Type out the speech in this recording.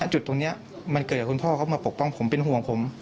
จุดตรงนี้มันเกิดจากคุณพ่อเขามาปกป้องผมเป็นห่วงผม